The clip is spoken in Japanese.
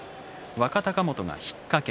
若隆元が引っ掛け。